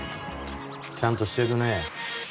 ちゃんとしてるね。